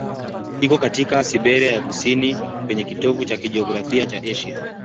Iko katika Siberia ya kusini, kwenye kitovu cha kijiografia cha Asia.